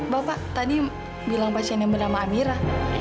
bapak tadi bilang pasien yang bernama amira